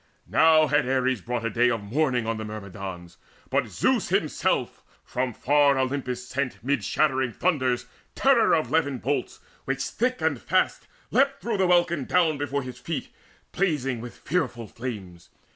Now had Ares brought A day of mourning on the Myrmidons, But Zeus himself from far Olympus sent Mid shattering thunders terror of levin bolts Which thick and fast leapt through the welkin down Before his feet, blazing with fearful flames.